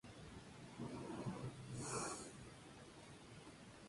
De ideología federalista, se hizo partidario de Manuel Ruiz Zorrilla.